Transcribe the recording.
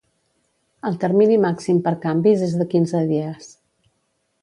El termini màxim per canvis és de quinze dies